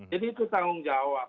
jadi itu tanggung jawab